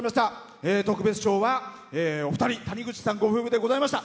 特別賞はお二人、たにぐちさんご夫婦でございました。